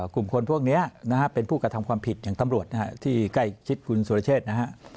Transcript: กลุ่มคนพวกนี้นะฮะเป็นผู้กระทำความผิดอย่างตำรวจที่ใกล้ชิดคุณสุรเชษนะฮะ